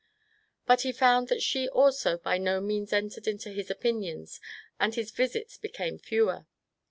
But he found that she also by no means entered into his opinions, and his visits became fewer.